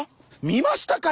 見ましたか？